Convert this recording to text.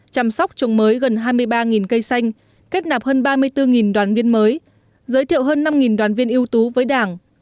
chăm sóc trồng mới gần hai mươi ba cây xanh kết nạp hơn ba mươi bốn đoàn viên mới giới thiệu hơn năm đoàn viên ưu tú với đảng